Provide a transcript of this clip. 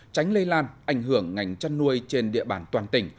tránh lây lan ảnh hưởng ngành chăn nuôi trên địa bàn toàn tỉnh